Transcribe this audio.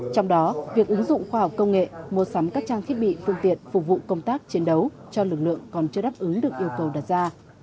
trong đó việc ứng dụng khoa học công nghệ mua sắm các trang thiết bị phương tiện phục vụ công tác chiến đấu cho lực lượng còn chưa đáp ứng được yêu cầu đặt ra